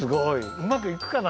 うまくいくかな？